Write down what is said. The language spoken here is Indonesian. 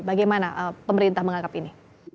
bagaimana pemerintah menganggap ini